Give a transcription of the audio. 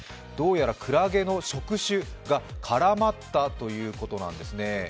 どうやらクラゲの触手が絡まったということなんですね。